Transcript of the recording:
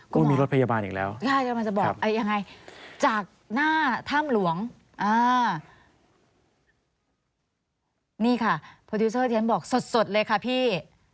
กูมีรถพยาบาลอีกแล้วครับครับนี่ค่ะโปรดิวเซอร์เทียนบอกสดเลยค่ะพี่